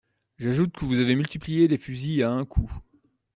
J’ajoute que vous avez multiplié les fusils à un coup.